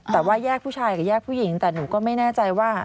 แต่ว่าแยกผู้ชายกับแยกผู้หญิงแต่หนูก็ไม่แน่ใจว่า